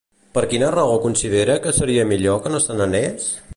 Per quina raó considera que seria millor que no se n'anés?